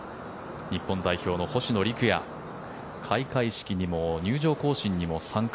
日本代表の星野陸也開会式にも入場行進にも参加。